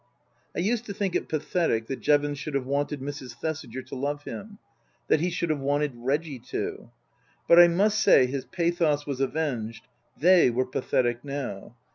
I used to think it pathetic that Jevons should have wanted Mrs. Thesiger to love him that he should have wanted Reggie to. But I must say his pathos was avenged They were pathetic now.